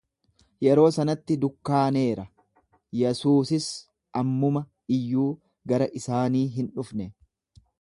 Yeroo sanatti dukkaaneera, Yesuusis ammuma iyyuu gara isaanii hin dhufne.